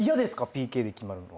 ＰＫで決まるのは。